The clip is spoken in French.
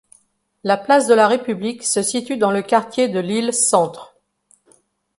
La place de la République se situe dans le quartier de Lille-Centre.